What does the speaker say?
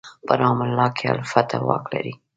په رام الله کې الفتح واک لري.